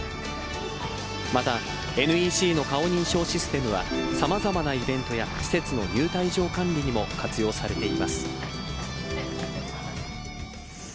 また、ＮＥＣの顔認証システムはさまざまなイベントや施設の入退場管理にも活用されています。